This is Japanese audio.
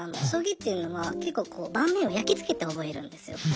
将棋っていうのは結構こう盤面を焼き付けて覚えるんですよ。